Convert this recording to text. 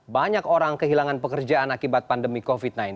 banyak orang kehilangan pekerjaan akibat pandemi covid sembilan belas